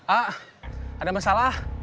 ah ada masalah